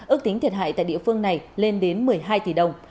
ước tính thiệt hại tại địa phương này lên đến một mươi hai tỷ đồng